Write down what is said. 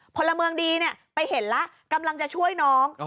พลเมืองดีไปเห็นแล้วกำลังจะช่วยน้อง